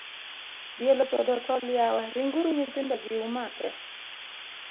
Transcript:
Diel ochodo tol yawa, ringuru nyithindogi umake.